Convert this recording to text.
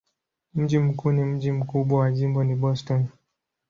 Mji mkuu na mji mkubwa wa jimbo ni Boston.